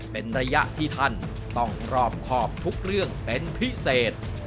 เป็นระยะที่ท่านต้องรอบครอบทุกเรื่องเป็นพิเศษ